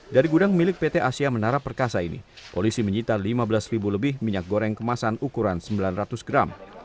dari gudang milik pt asia menara perkasa ini polisi menyita lima belas ribu lebih minyak goreng kemasan ukuran sembilan ratus gram